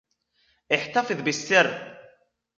احتفظ بالسر.